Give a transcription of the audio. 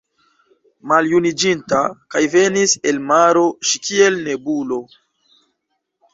Maljuniĝinta, kaj venis el maro ŝi kiel nebulo